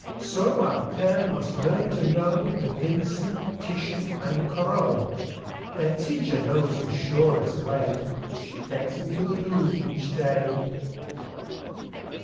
So our pair must learn to know Da Vinci, Titian and Corot. Their teacher knows the surest way: She takes them to the Louvre each day.